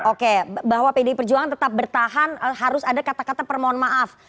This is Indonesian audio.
oke bahwa pdi perjuangan tetap bertahan harus ada kata kata permohon maaf